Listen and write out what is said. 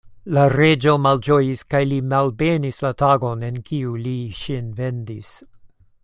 La reĝo malĝojis kaj li malbenis la tagon, en kiu li ŝin vendis.